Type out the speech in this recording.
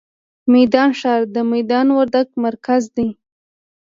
میدان ښار، د میدان وردګ مرکز دی.